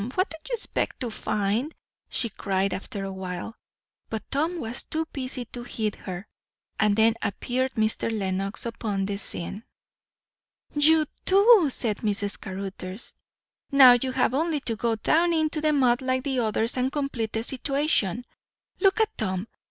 what do you expect to find?" she cried after awhile. But Tom was too busy to heed her. And then appeared Mr. Lenox upon the scene. "You too!" said Miss Caruthers. "Now you have only to go down into the mud like the others and complete the situation. Look at Tom!